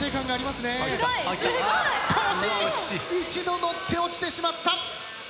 一度乗って落ちてしまった。